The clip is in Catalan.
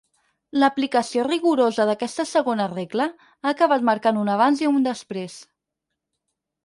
L'aplicació rigorosa d'aquesta segona regla ha acabat marcant un abans i un després.